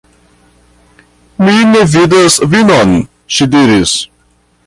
"Mi ne vidas vinon," ŝi diris.